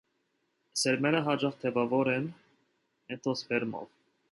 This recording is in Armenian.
Սերմերը հաճախ թևավոր են, էնդոսպերմով։